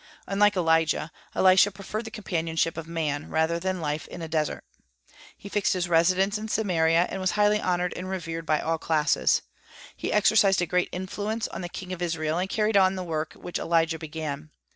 Unlike Elijah, Elisha preferred the companionship of men rather than life in a desert. He fixed his residence in Samaria, and was highly honored and revered by all classes; he exercised a great influence on the king of Israel, and carried on the work which Elijah began.